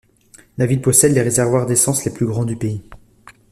La ville possède les réservoirs d'essence les plus grands du pays.